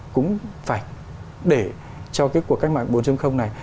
cũng phải để cho cái cuộc cách mạng bốn này